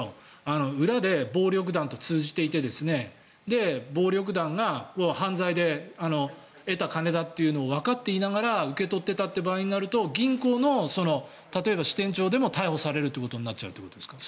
裏で暴力団と通じていて暴力団が犯罪で得たお金だとわかっていながら受け取っていたという場合になると銀行の例えば支店長でも逮捕されるということになっちゃうということですか。